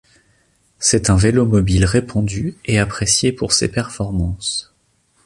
C'est un vélomobile répandu et apprécié pour ses performances.